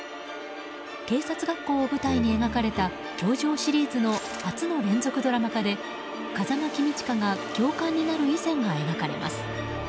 警察学校を舞台に描かれた「教場」シリーズの初の連続ドラマ化で風間公親が教官になる以前が描かれます。